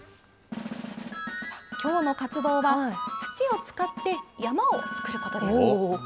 きょうの活動は、土を使って山を作ることです。